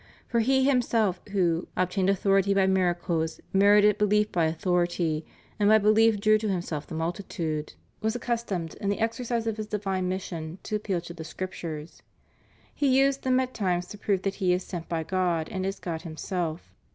For He Himself who "obtained authority by miracles, merited behef by au thority, and by belief drew to himseK the multitude" ^ was accustomed, in the exercise of His divine mission, to appeal to the Scriptures. He uses them at times to prove that He is sent by God, and is God Himself.